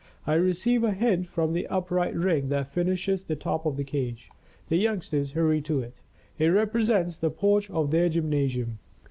I receive a hint from the upright ring that finishes the top of the cage. The youngsters hurry to it. It represents the porch of their gymnasium.